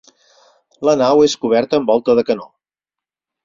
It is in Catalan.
La nau és coberta amb volta de canó.